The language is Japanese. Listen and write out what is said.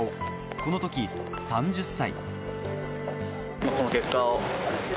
この時、３０歳。